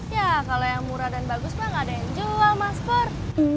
ya kalau yang murah dan bagus pak gak ada yang jual mas pur